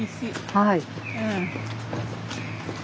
はい。